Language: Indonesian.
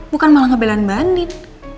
bukan malah ngebelan mbak andin